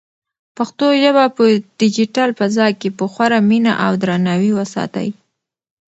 پښتو ژبه په ډیجیټل فضا کې په خورا مینه او درناوي وساتئ.